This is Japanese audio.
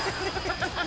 ハハハハ！